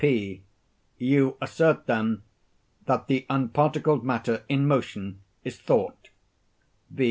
P. You assert, then, that the unparticled matter, in motion, is thought?